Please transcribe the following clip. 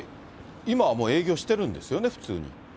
今はもう営業してるんですよね、普通に。